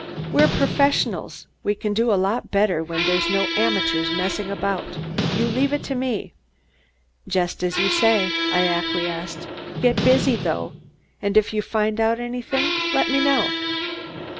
We professionals can do a lot better, when there's no amateurs messing about. You leave it to me!" "Just as you say," I acquiesced. "Get busy, though, and if you find out anything, let me know!"